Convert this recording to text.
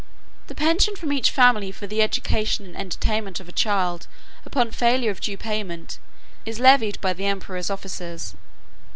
The pension from each family for the education and entertainment of a child, upon failure of due payment, is levied by the emperor's officers.